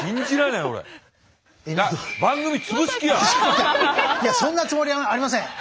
いやそんなつもりはありません。